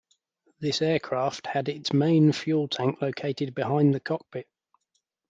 This aircraft had its main fuel tank located behind the cockpit.